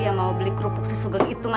yang mau beli kerupuk sesugeng itu mas